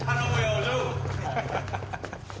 お嬢。